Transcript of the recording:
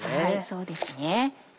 そうですね。